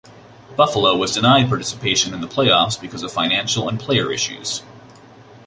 Buffalo was denied participation in the playoffs because of financial and player issues.